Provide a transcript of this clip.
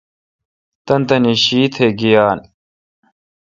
تانی تانی شی تہ گییال۔